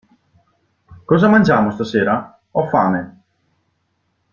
Cosa mangiamo stasera? Ho fame!